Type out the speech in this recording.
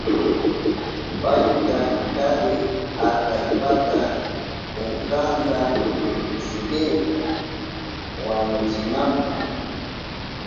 Payka kari atallpata kunkanta sipirka wañuchinanpa.